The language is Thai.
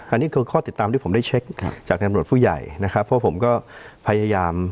อันนี้คือข้อติดตามที่ผมได้เช็คจากในตำรวจผู้ใหญ่นะครับเพราะผมก็พยายาม